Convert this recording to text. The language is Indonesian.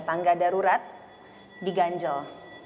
tangga darurat diganjel